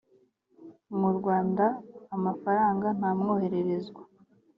mu rwanda amafaranga ntamwohererezwa